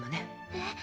えっ！